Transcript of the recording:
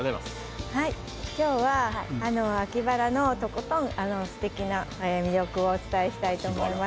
今日は秋バラのとことんすてきな魅力をお伝えしたいと思います。